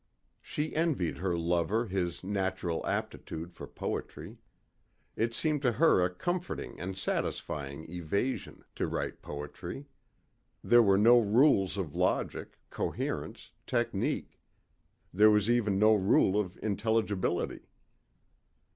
She envied her lover his natural aptitude for poetry. It seemed to her a comforting and satisfying evasion to write poetry. There were no rules of logic, coherence, technique. There was even no rule of intelligibility.